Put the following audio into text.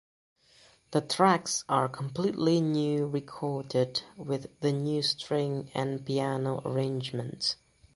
The tracks are completely new recorded with the new string and piano arrangements.